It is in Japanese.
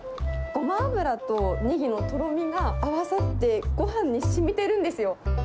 ゴマ油とネギのとろみが合わさって、ごはんにしみてるんですよ。